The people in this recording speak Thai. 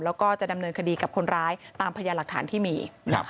แล้วก็จะดำเนินคดีกับคนร้ายตามพยานหลักฐานที่มี